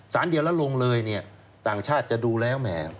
เดียวแล้วลงเลยเนี่ยต่างชาติจะดูแล้วแหม